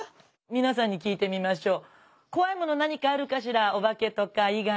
みなさんに聞いてみましょう。